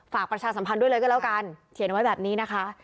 ประชาสัมพันธ์ด้วยเลยก็แล้วกันเขียนเอาไว้แบบนี้นะคะ